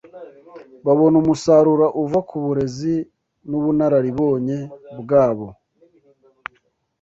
babona umusaruro uva ku burezi n’ubunararibonye bwabo